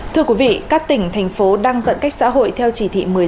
thưa quý vị các tỉnh thành phố đang giãn cách xã hội theo chỉ thị một mươi sáu